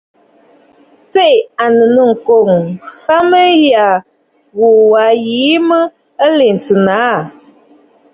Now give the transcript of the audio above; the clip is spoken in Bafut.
Tsiʼì ànnù nɨ̂ŋkoŋ, faà mə̀ yə yu wa yìi mə lèntə nàâ.